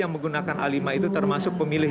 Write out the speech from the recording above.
yang menggunakan a lima itu termasuk pemilih